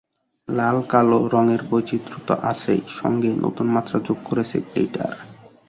লাল, কালো—রঙের বৈচিত্র্য তো আছেই, সঙ্গে নতুন মাত্রা যোগ করেছে গ্লিটার।